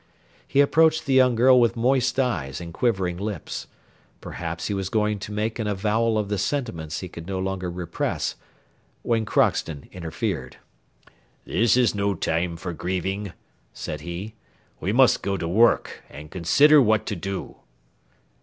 He approached the young girl with moist eyes and quivering lips; perhaps he was going to make an avowal of the sentiments he could no longer repress, when Crockston interfered: "This is no time for grieving," said he; "we must go to work, and consider what to do."